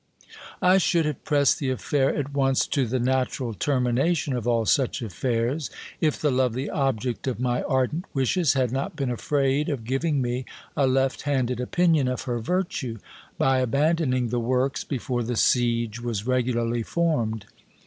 I should have pressed the affair at once to the natural termination of all such affairs, if the lovely object of my ardent wishes had not been afraid of giving me a left handed opinion of her virtue, by abandoning the works before the siege was regularly formed.